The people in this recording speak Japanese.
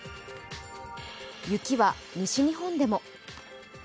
雪は西日本でも。